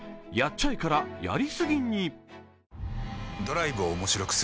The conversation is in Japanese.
ちゃえからやりすぎに。